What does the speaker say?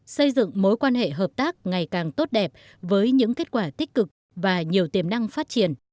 xây dựng mối quan hệ hợp tác ngày càng tốt đẹp với những kết quả tích cực và nhiều tiềm năng phát triển